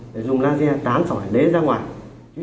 để dùng laser tán sỏi lấy ra ngoài